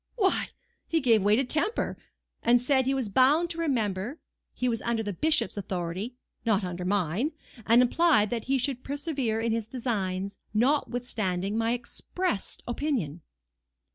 "Why, he gave way to temper, and said he was bound to remember, he was under the bishop's authority, not under mine; and implied that he should persevere in his designs, notwithstanding my expressed opinion."